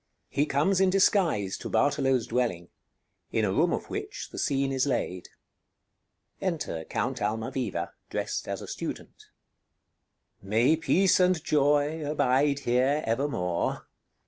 He comes in disguise to Bartolo's dwelling, in a room of which the scene is laid.] [Enter Count Almaviva, dressed as a student.] Count [solemnly] May peace and joy abide here evermore!